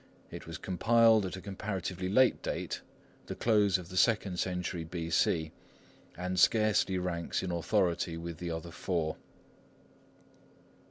It was compiled at a comparatively late date, the close of the second century B.C., and scarcely ranks in authority with the other four.